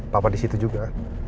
papa disitu juga